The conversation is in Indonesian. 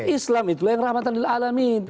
islam itulah yang rahmatanil alamin